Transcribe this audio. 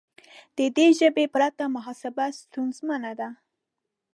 د دې ژبې پرته محاسبه ستونزمنه ده.